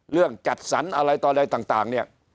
เรื่องจัดสรรอะไรต่อได้ต่างเนี่ย